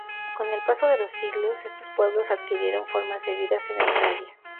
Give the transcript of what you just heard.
Con el paso de los siglos, estos pueblos adquirieron formas de vida sedentaria.